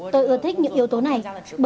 tôi ưa thích những yếu tố này